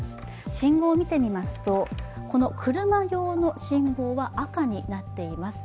信号を見てみますと、車用の信号は赤になっています。